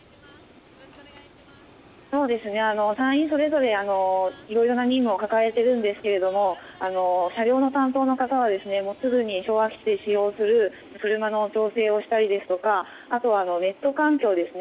隊員それぞれ、いろいろな任務を抱えているんですが車両の担当の方はすぐに昭和基地で使用する車の調整をしたりあとはネット環境ですね。